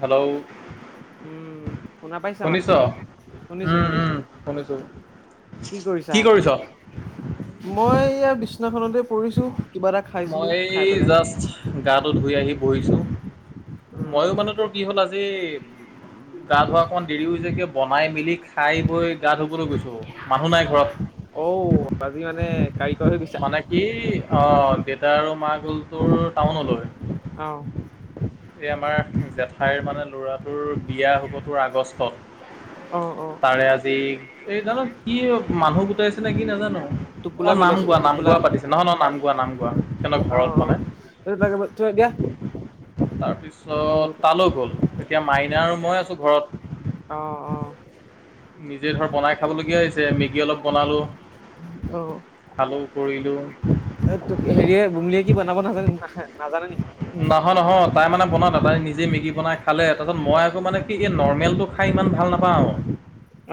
Hello উম, শুনা পাইছা শুনিছ মাতো? শুনিছো উম শুনিছো। উম শুনিছো কি কৰিছা মই ইয়া বিচনাখনতে পৰিছো। কিবা এটা খাইছিলো মই খাই এই পেলাই। জাষ্ট গাটো ধুই আহি কৰিছো ময়ো উম, মানে তোৰ কি হ'ল আজি। গা ধোৱা অকমান দেৰি হৈছে কি বনাই মেলি খাই বৈ গা ধুবলৈ গৈছো মানুহ নাই ঘৰত। অঔ আজি মানে কাৰিকৰ হৈ গৈছা? মানে কি অ দেউতা আৰু মাক গ'ল তোৰ টাউনলৈ। অ', এই আমাৰ জেঠাইৰ মানে লৰাটোৰ। বিয়া হ'ব তোৰ আগষ্টত অ', অ', তাৰে আজি এই ধৰম কি মানুহ গোটাইছে নে কি নাজানো। টোপোলা পেলাইছে কোৱা নাম গোৱা পাতিছে নহয় ন নাম গোৱা নাম গোৱা সিহঁত অ', ঘৰত অ', মানে এইটো লাগে থৈ দিয়া। তাৰপিছত অ', তালৈ গ'ল, এতিয়া মাইনা আৰু মই আছোঁ ঘৰত। অহ অহ। নিজে ধৰ বনাই খাবলগীয়া হৈছে মেগী অলপ বনালো, অ। আৰু কৰিলোঁ। এ তোক হেৰিয়ে বুলিয়ে কি বনাব নাজানে নাহে নাজানে নেকি? নহয় নহয় তাই মানে বন দাদাই নি যে মেগী বনাই খালে, তাৰপিছত মই আকৌ মানে কি নৰ্মেলটো খাই ইমান ভাল নাপাওঁ,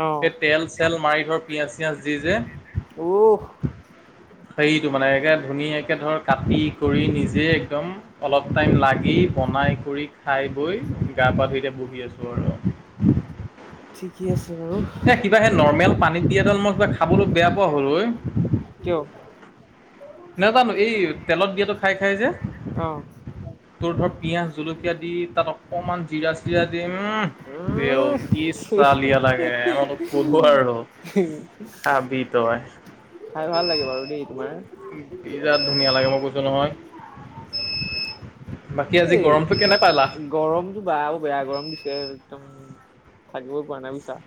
অ', সেই তেল চেল মাৰি ধৰ পিয়াজ চিয়াজ দি যে, উহ হেৰিটো মানে একে ধুনীয়াকে ধৰ কাটি কৰি নিজে একদম, অলপ টাইম লাগি বনাই কৰি, খাই বৈ, গা-পা ধুই এতিয়া বহি আছো আৰু। [unintelligible] ঠিকে আছে। বাৰু এ কিবা সেই নৰ্মেল পানীত দিয়াডাল মই কিবা খাবলৈ বেয়া পোৱা হ'লো ঐ, কিয়? নেজানো এই তেলত দিয়াটো খাই খাই যে, অ', তোৰ ধৰ পিয়াজ, জলকীয়া দি, তাত অকমান জিৰা চিৰা দিম তেওঁ উম কি চালিয়া লাগে এওক সোধোঁ আৰু, খাবি তই। খাই ভাল লাগে বাৰু দেই তোমাৰ? উম বিৰাত ধুনীয়া লাগে মই কৈছোঁ নহয়, বাকী আজি এই গৰমটো কেনে পালা? গৰমটো বা বেয়া গৰম দিছে, একদম থাকিব পাৰা নাই বুইছা।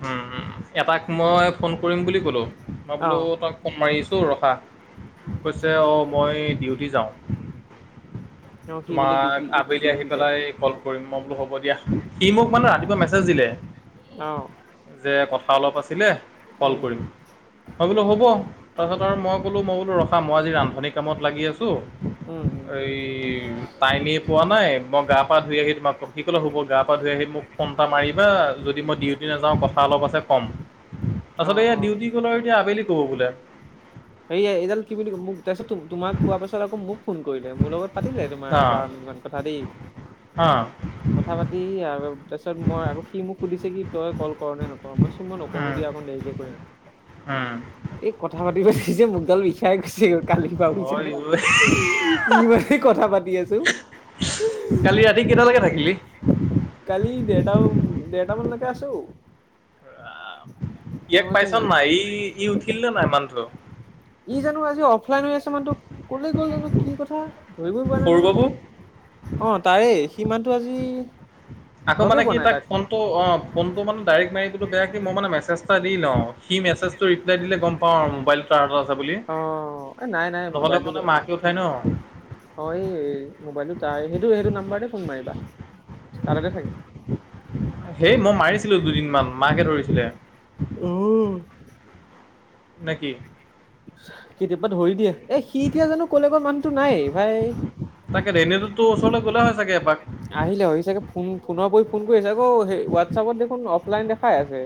উম, উম এটাক মই ফোন কৰিম বুলি ক'লো, মই অ বোলোঁ তাক ফোন মাৰিছোঁ ৰখা, কৈছে অ মই ডিউটি যাওঁ। অ সি বোলে তোমাক ডিউটি আবেলি আহি ডিউটি যায় পেলাই কল কৰিম মই বোলোঁ হ'ব দিয়া। সি মোক মানে ৰাতিপুৱা মেছেজ দিলে, অ। দে কথা অলপ আছিলে, কল উম কৰিম মই বোলোঁ হ'ব। তাৰপাছত আৰু মই ক'লোঁ মই বোলোঁ ৰখা মই আজি ৰান্ধনী কামত লাগি আছোঁ, উম উম এই টাইমে পোৱা নাই মই গা পা ধুই আহি তোমাক কি ক'লে হ'ব গা পা ধুই আহি মোক ফন এটা মাৰিবা যদি মই ডিও নেযাওঁ, কথা অলপ আছে কম, অ তাৰপাছতে অ ডিউটি গ'ল আৰু এতিয়া আবেলি ক'ব বোলে, হেয়া এইডাল কি বুলি মোক তাৰপিছত তোক তোমাক কোৱা পাছত আকৌ মোক ফোন কৰিলে, মোৰ লগত পাতিলে অ', তোমাৰ বাৰ মিনিট কথা দেই, অ', কথা পাতি আৰু তা তাৰপিছত মই আকৌ সি মোক সুধিছে, কি তই কল কৰ নে নকৰ, মই চোন মই নকৰোঁ উম, দিয়া, অকন দেৰিকে কৰিম। উম, এই কথা পাতি পাতি যে মোক গাল বিষ বিষাই গৈছে গ, কালি পা হয় বুইছানে, ঐ। ই মানে কথা পাতি আছোঁ। কালি ৰাতি কেইটালেইকে থাকি কালি দেৰটা দেৰটামানলৈকে আছোঁ। ইয়াক পাইছ নাই ই ই উঠিল নে নাই মানুহটো। ই জানো আজি অফলাইন হৈ আছে। মই তোক কলে গ'ল জানো কি কথা। ধৰিবই পৰা নাই সৰু বাবু? নহয়, অ তাৰে সিমানটো আজি- আকৌ লগে মানে পোৱা কি নাই তাক ফোনটো অ ফোনটো মানে ডাইৰেক্ট মাৰি বোলোঁ বেয়া কি মই মানে মেছেজ এটা দি লওঁ সি মেছেজটো ৰিপলাই দিলে গম পাওঁ আৰু মোবাইল ত অ, এ নাই নাই মোবাইলটো মানে বাৰু মাকে উঠাই ন। অ এই - মোবাইলটো তাই সেইটো সেইটো নাম্বাৰতে ফোন মাৰিবা তালগতে থাকে ‌। সেই মই মাৰিছিলো দুদিনমান মাকে ধৰিছিলে উম নে কি কেতিয়াবা ধৰি দিয়ে এ সি এতিয়া জানো কলে গল মানুহটো নাইয়ে ভাই তাকে এনেতো তোৰ ওচৰলৈ গ'লে হয় চাগে এপাক। আহিলে হৈ চাগে ফোন ফোনৰ ওপৰি ফোন কৰিছে আকৌ সেই হোৱাটছআপত দেখোন অফলাইন দেখাই আছে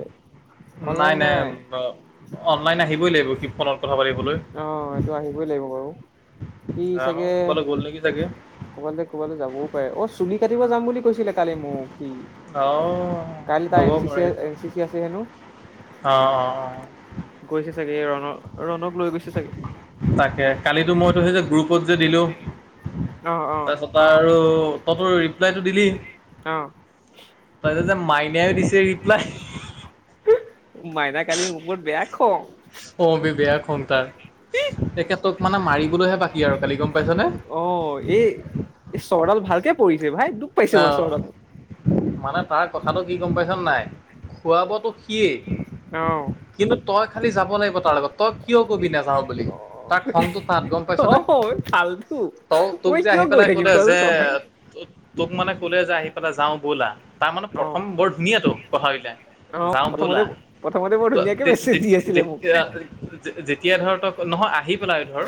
নাই নাই ব অনলাইন আহিবই লাগিব সি ফনত কথা পাতিবলৈ অ এইটো আহিবই লাগিব বাৰু সি জানো চাগে ক'বালৈ গ'ল নেকি চাগে কবালে-কবালে যাবও পাৰে। অ চুলি কাতিব যাম বুলি কৈছিলে কালি মোক। উম অ কাইলৈ তাৰ হ'ব এন চি পাৰে সেইটো চি-এন চি চি আছে হেনো। অ অ অ। গৈছে চাগে ৰণৰ তাকে, কালিতো মইতো সে যে গ্ৰুপ ত যে দিলোঁ অ অ তাৰপিছৰ পৰা আৰু তহঁতেটো ৰিপ্লাইটো দিলি। অ তাৰপিছত যে মাইনাই দিছে ৰিপ্লাই সি সি মাইনা কালি মোৰ ওপৰত বেয়া খং। অ বে বেয়া খং তাৰ। তেখেতক মানে মাৰি বলেহে বাকী আৰু কালি গম পাইছনে? অ এই এই চৰ্ডাল ভালকে পৰিছে। ভাই দুখ ন পাইছো মই চৰডাল মানে তাৰ কথাটো কি গম পাইছ নে নাই খোৱাব তোক সিয়েই অহ। কালি যাব লাগিব তাৰ লগত তই কিয় কবি নাযাও বুলি অ তাৰ খংটো তাত গম পাইছ নে? অ ফাল্টু অ তোক মই যে কিয় আহি গৈ পেলাই থাকিম কলে কোৱাচোন যে চববাৰে তোক মানে কলে যে আহি পেলাই যাওঁ বলা তাৰ মানে অ প্ৰথম বৰ ধুনীয়াটো কথাবিলাক অ প্ৰথমতে- প্ৰথম ত- যে-যে- যেতি-যেতিয়া যেতিয়া ধৰ ত নহয় আহি পেলাই ধৰ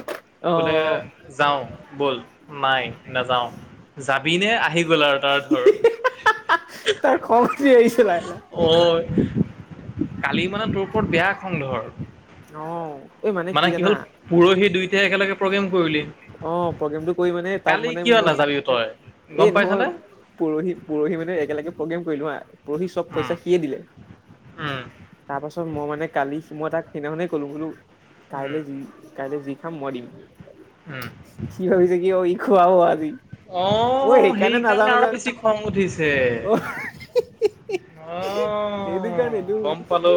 অ বোলে যাওঁ বল, নাই নাযাওঁ, যা ইনে আহি গ'ল আৰু তাৰ ধৰ হি- তাৰ খং উঠি আহিছে লাহে লাহে অ। কালি মানে তোৰ ওপৰত বেয়া খং ধৰ অ মানে কি হ'ল পৰহি দুইটাই একেলগে প্ৰগ্ৰেম কৰিলি অ প্ৰগ্ৰেমটো কৰি মানে তাক কালি মানে কিয় মই, নাযাবি তই গম এই নহয় পাইছনে পৰহি-পৰহি মানে একেলগে প্ৰগ্ৰেম কৰিলো হা পৰহি চব উম পইচা সিয়ে দিলে। উম তাৰপ তাৰ পাছত মই মানে কালি মই তাক সেইদিনাখনেই ক'লো বোলো, উম কাইলৈ যি খাম মই দিম। উম সি ভাবিছে কি অ ই খোৱাব আজি। অ অহ নাযাও সেইকাৰণে আৰু নাযাও বেছি খং উঠিছে। অ অ। সেইটো নিদো গম [unintelligible] পালো।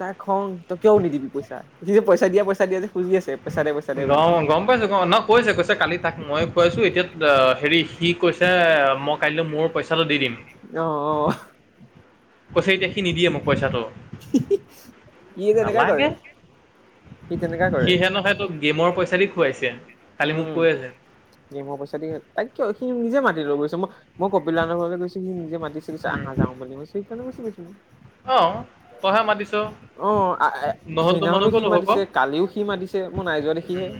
তাৰ খং তই কিয় দি দিবি পইচা যে পইচা তাই দিয়া পইছা দিয়া যে খুজি আছে। পইচা দে পইচা দে গ বুলি গম পাইছো গ ন কৈছে কৈছে কালি তাক মই কৈ আছো এতিয়া হেৰি সি কৈছে মই কাইলৈ মোৰ পইছা অহ অ। কৈছে এতিয়া সি নিদিয়ে মোক পইচাটো। হি হি হি ই যেনেকা কৰে। নালাগে সি তেনেকা কৰে সি হেনো তোক গেমৰ পইচা দি খুৱাইছে। কালি মোক উম কৈ আছে। গেমৰ পইচা দি, তাই কিয় সি নিজে মাতি লৈ গৈছে মোক মই কপিলাহন্তৰ ঘৰলৈ গৈছিলো, সি নিজে মাতিছে। কৈছে উম, আহা যাও বুলি কৈছে সেইকাণে মই গুচি গৈছো। অ তইহে মাতিছ। অ আ-আ নহ'লতো মই সেইদিনাখনো সি নগ'লো হক। মাতিছে, কালিও সি মাতিছে, মই নাই যোৱা দেখিহে। উম,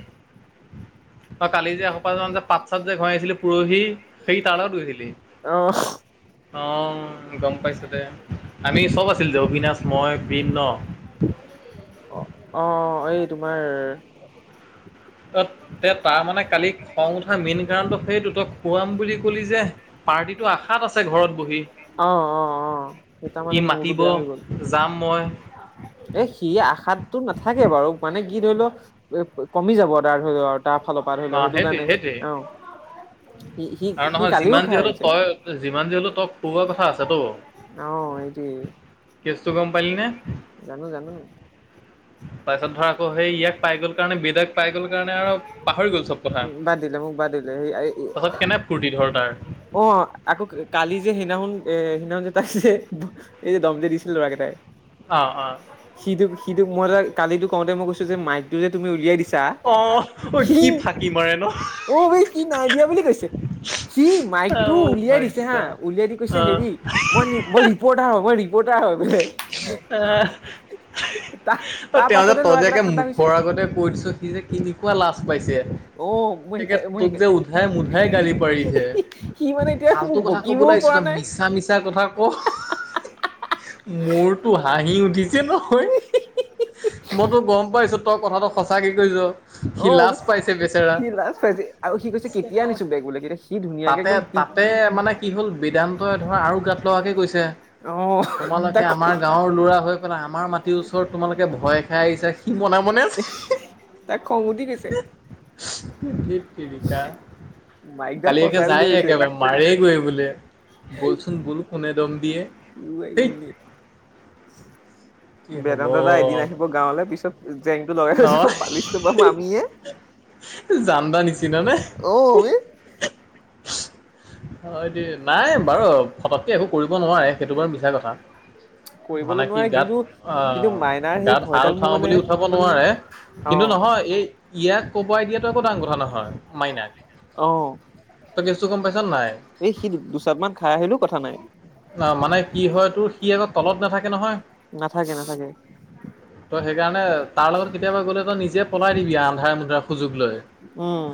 অ কালি যে এসোপা যে পাত চাত যে ভৰাই আছিলি পৰহি। সেই তা লগত গৈছিলি। অ অ গম পাইছো দে। আমি চব আছিলো যে অবিনাশ, মই, ব্ৰিন্দ। অ অহ এই তোমাৰ ত তে তাৰ মানে কালি খং উঠা মেইন কাৰণটো সেইটো তই খুৱাম বুলি কলি যে। পাৰ্টিটো আশাত আছে ঘৰত বহি। অ, অ, অ, সেই তাৰ ই মানে মূৰটো মাতিব, বেয়া হৈ গ'ল যাম মই। এ সি আশাতো নাথাকে বাৰু মানে কি ধৰি ল, এ কমি যাব তাৰ ধৰি লও তাৰ ফালৰ পৰা ধৰি ল অ', সেইটো সেইটোৱে কাৰণে সেইটোৱে। অ সি সি আৰু সি নহয় কালিও যিমান যি খাই হলো আহিছে তই যিমান যি হলো তই, খোৱা কথা আছে তো অহ, সেইটোৱে চ গম পালি নে? জানো জানো তাৰপিছত ধৰ আকৌ সেই ইয়াক পাই গ'ল কাৰণে বেদক পাই গ'ল কাৰণে আৰু পাহৰি গ'ল চব কথা বাদ দিলে মোক বাদ দিলে সেই তাৰপিছত কেনে ফূৰ্তি ধৰ তাৰ অ আকৌ কালি যে সেইদিনাখন এ সেইদিনাখন যে তাক যে, এই যে দম যে দিছিল ল'ৰাকেইটাই অ', অ'। সিটো সিটো মই এ কালিতো কওঁতে মই কৈছো যে মাইকটো যে তুমি উলিয়াই দিছা অ', ঐ সি, কি ফাঁকি মাৰে ন? অ বে সি নাই দিয়া বুলি কৈছে সি অ মাইকটো উলিয়াই ভাই দিছে হা চাব উলিয়াই দি কৈছে অ হেৰি, মই -মই ৰিপৰ্টাৰ মই ৰিপৰ্টাৰ হয় বোলে আহ তাৰ অ তাৰ তেওঁ যে, পাছতে তই যে ল'ৰাকেইটা একে ঠাণ্ডা হৈছে মুখৰ আগতে কৈ দিছ, সি যে কেনেকোৱা লাজ পাইছে অ মই তাকে, শিকাই মই তোক শিকাই যে উধাই মুধাই গালি পাৰিছে সি মানে এতিয়া ফাল্টু মোক কথা কব বকিবও আহিছ পৰা তই নাই মিছা মিছা কথা ক মোৰতো হাঁহি উঠিছে নহয়, মইতো গম পাইছো তই কথাটো সঁচাকে কৈছ সি অ, লাজ পাইছে বেচেৰা সি লাজ পাইছে আৰু সি কৈছে কেতিয়া আনিছো বেগ বোলে, কেতিয়া সি ধুনীয়াকে তাতে একদম তাতে মানে কি হ'ল বেদান্তই ধৰা আৰু গাত লগাকে কৈছে, অ' তোমালোকে তাক আমাৰ গাঁৱৰ ল'ৰা হৈ পেলাই আমাৰ মাটিৰ ওচৰত তোমালোকে ভয় খাই আহিছা সি মনে মনে আছে তাক খং উঠি গৈছে ধেইত তেৰিকা। মাইকডাল কালি একে সঁচাই বুলি যায় ভাবিছে। একেবাৰে মাৰে গৈ বোলে বলচোন বল কোনে দম দিয়ে। ধেইত [unintelligible] [unintelligible] কি হ'ব বেদান্ত দাই এদিন আহিব গাঁৱলৈ পিছত জেংটো লগাই লৈ যাব পালিচটো পাম আমিয়ে জান দা নিচিনা নে? অ' বে হয় দে, নাই বাৰু ফতককে একো কৰিব নোৱাৰে সেইটো বাৰু মিছা কথা মানে কৰিবলৈ কি নোৱাৰে গাত, কিন্তু কিন্তু আহ মাইনাৰ সেই গাত হাত ভয়ডাল মোৰ উঠাও মানে বুলি উঠাব নোৱাৰে কিন্তু এইটো অ' নহয় এই ইয়াক কবাই দিয়াটো একো ডাঙৰ কথা নহয় মাইনাক অ। তই কেছটো গম পাইছ নাই, এই সি দুচাট মান খাই আহিলেও কথা নাই। ন মানে কি হয়তোৰ সি আগত তলত নাথাকে নহয় নাথাকে নাথাকে ত' সেইকাৰণে তাৰ লগত কেতিয়াবা গলে তই নিজে পলাই দিবি আন্ধাৰে মুন্ধাৰে সুযোগ লৈ উম,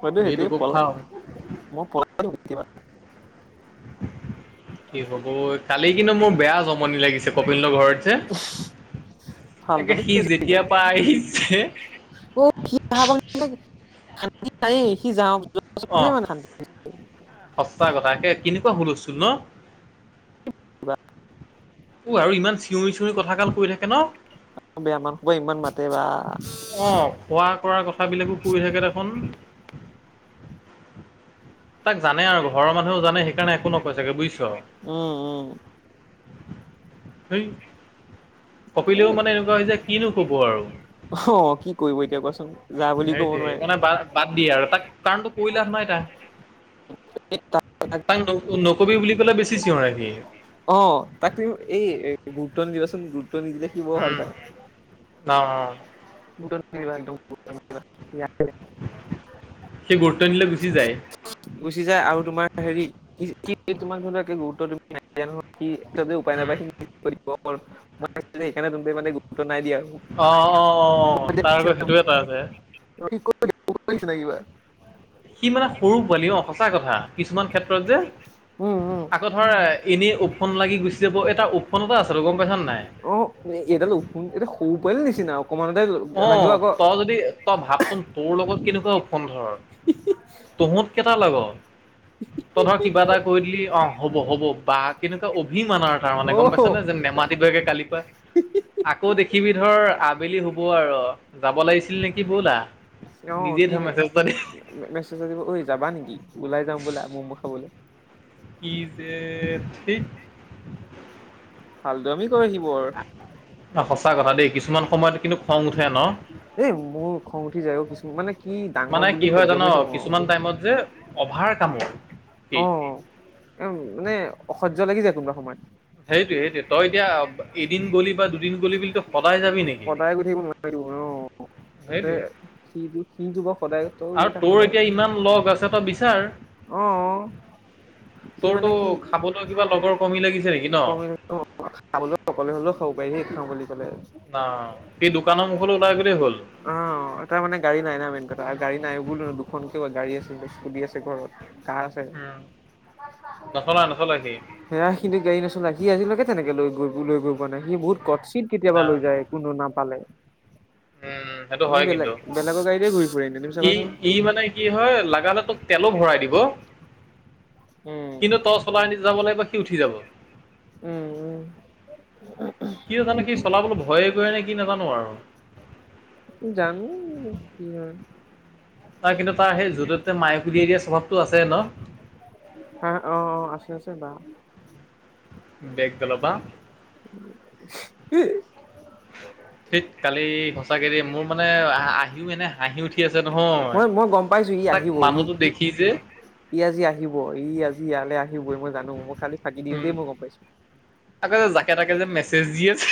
হয়তো নি সেইটোয়ে তোকো পলাই, খুৱাম মই পলাই দিও কেতিয়াবা কি হব কালি কিন্তু মোৰ বেয়া জমনি লাগিছে কপিলহতৰ ঘৰত যে [unintelligible] তাকে, ফালটুৱামি সি কৰিছে যেতিয়াৰ আজিকালি পৰা আহিছে অ' সি অহা [unintelligible] সি যাওঁ যোৱাৰ পাছতহে মানে শান্তি অ' সঁচা কথা কে কিনি বা হুলস্থূল ন অ, আৰু ইমান চিঞৰি-চিঞৰি কথা গাল কৈ থাকে ন। বেয়া মাত সোপা ইমান মাতে বা। অ' অঁকৰা অঁকৰা কথাবিলাকো কৈ থাকে দেখোন। তাক জানে আৰু ঘৰৰ মানুহও জানে, সেইকাৰণে একো নকৈ ছাগে বুজিছ উম, উম'। [unintelligible] এ কপিলেও মানে অ এনেকুৱা হৈছে, কিনো ক'ব আৰু। কি কৰিব এতিয়া কোৱাচোন যা বুলি ক'ব সেইটো য়ে, নোৱাৰে মনে বাদ বাদ দিয়ে, আৰু তাক কাৰণটো কৈ লাভ নাই তাক। তাক নকবি বুলি ক'লে বেছি [unintelligible] সি। অ' তাক এই গুৰুত্ব নিদিবা চোন। ত নিদিলে সি বৰ ভাল উম পায় অ অ', [unintelligible] একদম। [unintelligible] সি গুৰুত্ব নিদিলে গুচি যায় গুছি যায়, আৰু তোমাৰ হেৰি কি সি তোমাৰ মানে একে গুৰুত্ব [unintelligible] সি উপায় উম নাপায় সি [unintelligible] দিব। [unintelligible] সেইকাৰণে [unintelligible] মানে গুৰুত্ব নাই দিয়া। অ', অ' অ' তাৰ আকৌ সেইটো এটা আছে। [unintelligible] সি মানে সৰু পোৱালি ন সঁচা কথা কিছুমান ক্ষেত্ৰত যে, উম উম আকৌ ধৰা এনেই ওফোন লাগি গুচি যাব তাৰ [unintelligible] গম পাইছা নাই। অ' এইডাল [unintelligible] সৰু পোৱালিৰ নিচিনা। অকমানতে লাগিব অ' আকৌ তই যদি তই ভাবচোন, তোৰ লগত কেনেকুৱা [unintelligible] ধৰ। তহত কেইটা লগত, ত ধৰ কিবা এটা কৈ দিলি অ' হ'ব হ'ব বাঘ [unintelligible] আৰু তাৰ মানে অ গম পাইছা নে, যেন নেমাতিবয়ে কালিৰ পা। আকৌ দেখিবি ধৰ, আবেলি হ'ব আৰু যাব লাগিছিল নেকি ব'লা। অ' নিজে সি ধৰ মেছেজ এটা দি মেছেজ দিব, ঐ যাবা নেকি ওলাই যাও বোলা ম'ম' খাবলে। কি যে থেইট। [unintelligible] আমি অ সঁচা কথা দেই, কিছুমান সময়ত কিন্তু খং উঠে ন। এ মোৰ খং উঠি যায় অ কিছুমান মানে কি ডাঙৰ মানে কি বুলি হয় সহ্য জান কৰি থাকো কিছুমান টাইমত যে আও। অভাৰ কামৰ কি অ এ মানে অসহ্য লাগি যায়, কোনোবা সময়ত। সেইটোয়ে সেইটোয়ে তই এতিয়া এদিন গলি বা দুদিন গলি বুলি, তই সদায় যাবি নেকি? সদায় গৈ থাকিব নোৱাৰিব ন। তাতে সেইটোৱে সি টো বা আৰু তোৰ সদায় এতিয়া ইমান লগ আছে তই বিচাৰ। [unintelligible] [unintelligible] সি তোৰতো মানে কি, খাবলৈ কিবা লগৰ কমি লাগিছে নেকি ন? [unintelligible] খাবলৈও অকলে হ'লেও খাব পাৰি। [unintelligible] খাওঁ বুলি ক'লে। না সেই দোকানৰ মুখলৈ ওলাই গ'লেই হ'ল। অ' তাৰ মানে গাড়ী নাই ন মেইন কথা, গাড়ী নাই বোলো, দুখন কে গাড়ী আছে, স্কুতি আছে ঘৰত, [unintelligible] আছে। উম, নচলাই নচলাই সি। হেয়া, [unintelligible] গাড়ী নচলায় সি আজিলৈকে তেনেকে লৈ গৈ লৈ গৈ পোৱা নাই, সি বহুত [unintelligible] কেতিয়াবা না লৈ যায়। পালে। উম, সেইটো হয় কিন্তু। গাড়ীতে ঘূৰি ফুৰে এনে তুমি সি চাবাচোন ই মানে কি হয়, লাগা হ'লে তোক তেলো ভৰাই দিব। উম কিন্তু তচ চলাই আনি যাবলয় গয় সি উঠি যাব। উম, উম। কিয় জানো সি চলাবলৈ ভয়ে কৰে নে কি নাজানো আৰু। জানো কি হয়। তাৰ কিন্তু তাৰ সেই য'তে ততে মায়ে [unintelligible] দিয়া স্বভাৱটো আছে ন। হা অ', অ' আছে-আছে বা। [unintelligible] [unintelligible] ঠেত কালি সচাকেদে মোৰ মানে আহিও এনে হাঁহি উঠি আছে। নহয় মই-মই গম পাইছো ই তাক আহিব ই, মানুহটো দেখি যে ই আজি আহিব ই আজি ইয়ালৈ [unintelligible] মই জানো মই খালি ফাকি দিওঁ তেই মই গম পাইছো। তাকে যে যাকে তাকে যে মেছেজ দি আছে।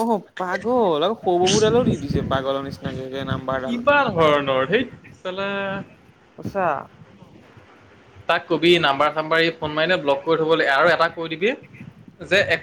অহ অহ পাগল অল সৌ ববুডালো দি দিছে পাগলৰ নিচিনাক নাম্বাৰডাল। কিবা ধৰণৰ ধেত চালা আত্চ্ছা। তাক কবি নাম্বাৰ চাম্বাৰ এই ফোন মাৰে ব্লক কৰি থ'ব লাগে আৰু এটা কৈ দিবি যে এক-